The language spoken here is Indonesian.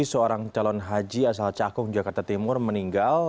seorang calon haji asal cakung jakarta timur meninggal